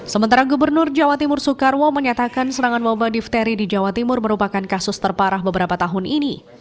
sementara gubernur jawa timur soekarwo menyatakan serangan wabah difteri di jawa timur merupakan kasus terparah beberapa tahun ini